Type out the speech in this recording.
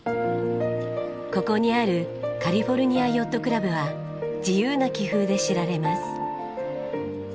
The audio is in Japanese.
ここにあるカリフォルニアヨットクラブは自由な気風で知られます。